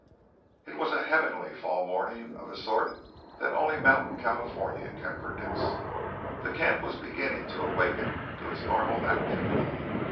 It was a heavenly fall morning of the sort that only mountain California can produce. The camp was beginning to awaken to its normal activity.